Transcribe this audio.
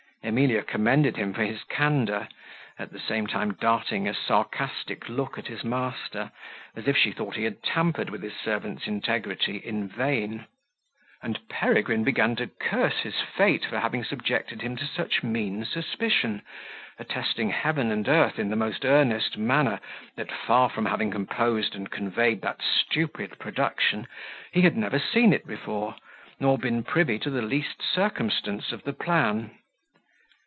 Emilia commended him for his candour, at the same time darting a sarcastic look at his master, as if she thought he had tampered with his servant's integrity in vain; and Peregrine began to live and curse his fate for having subjected him to such mean suspicion, attesting heaven and earth in the most earnest manner, that far from having composed and conveyed that stupid production, he had never seen it before, nor been privy to the least circumstance of the plan.